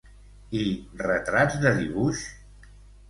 I retrats de dibuix?